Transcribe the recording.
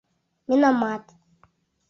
Миномат!